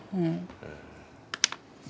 うん。